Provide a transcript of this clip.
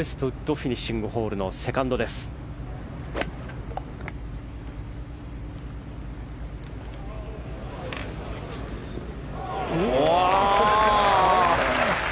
フィニッシングホールのセカンドです。